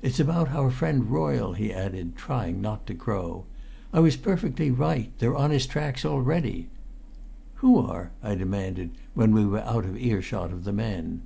"It's about our friend Royle," he added, trying not to crow. "I was perfectly right. They're on his tracks already!" "Who are?" I demanded, when we were out of earshot of the men.